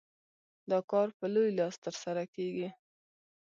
دا کار په لوی لاس ترسره کېږي.